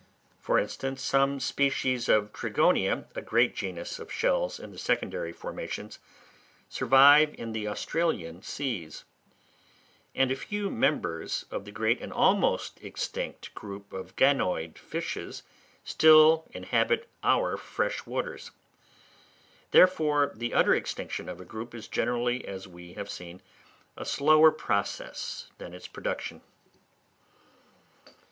For instance, some species of Trigonia, a great genus of shells in the secondary formations, survive in the Australian seas; and a few members of the great and almost extinct group of Ganoid fishes still inhabit our fresh waters. Therefore, the utter extinction of a group is generally, as we have seen, a slower process than its production.